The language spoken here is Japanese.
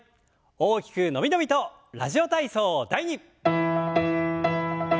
大きく伸び伸びと「ラジオ体操第２」。